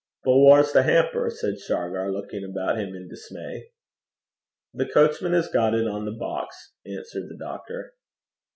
'But whaur's the hamper?' said Shargar, looking about him in dismay. 'The coachman has got it on the box,' answered the doctor.